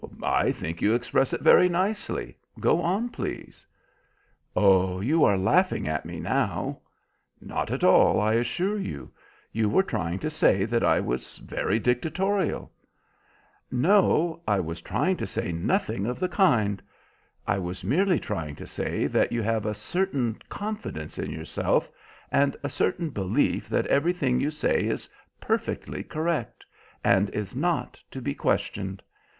"I think you express it very nicely. Go on, please." "Oh, you are laughing at me now." "Not at all, I assure you. You were trying to say that I was very dictatorial." "No, I was trying to say nothing of the kind. I was merely trying to say that you have a certain confidence in yourself and a certain belief that everything you say is perfectly correct, and is not to be questioned.